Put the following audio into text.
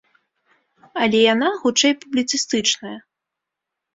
Але яна хутчэй публіцыстычная.